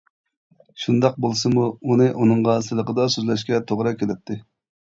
شۇنداق بولسىمۇ، ئۇنى ئۇنىڭغا سىلىقىدا سۆزلەشكە توغرا كېلەتتى.